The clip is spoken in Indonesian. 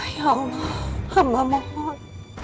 ya allah amba mohon